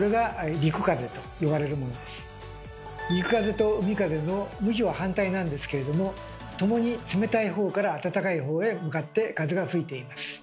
陸風と海風の向きは反対なんですけれども共に冷たいほうからあたたかいほうへ向かって風が吹いています。